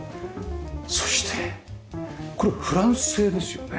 そしてこれフランス製ですよね？